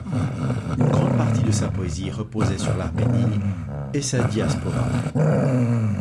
Une grande partie de sa poésie reposait sur l'Arménie et sa diaspora.